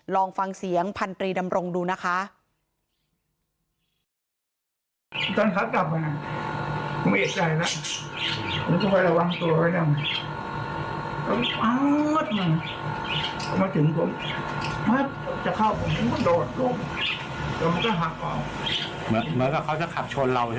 ลองฟังเสียงพันธรีดำรงดูนะคะ